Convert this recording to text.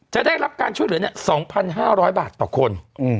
ได้รับการช่วยเหลือ๒๕๐๐บาทต่อคน